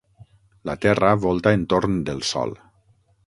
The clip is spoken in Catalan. La Terra volta entorn del Sol.